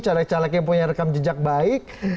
caleg caleg yang punya rekam jejak baik